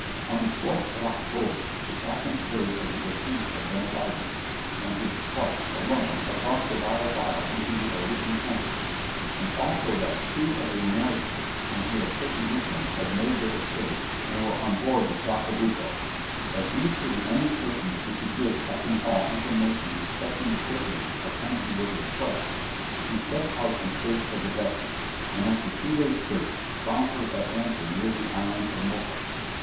On the 12th of October, the captain heard of the defeat of Benavides, and his flight, alone, across the Biobio into the Araucan country; and also that two of the Americans whom he had taken with him had made their escape, and were on board the Chacabuco. As these were the only persons who could give Captain Hall information respecting the prisoners of whom he was in quest, he set out in search of the vessel, and after two days' search, found her at anchor near the island of Mocha.